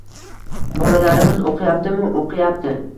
bolalarimiz o‘qiyaptimi – o‘qiyapti.